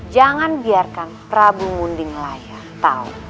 jangan biarkan prabu munding layang tahu